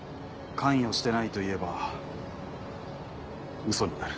「関与してない」と言えばウソになる。